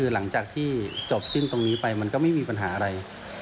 หลังจากที่จบสิ้นตรงนี้ไปมันก็ไม่มีปัญหาอะไร